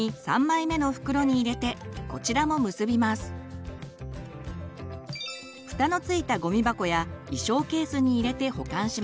そして最後にふたのついたゴミ箱や衣装ケースに入れて保管します。